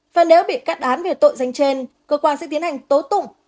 và nếu bị kết án về tội danh trên cơ quan sẽ tiến hành tố tụng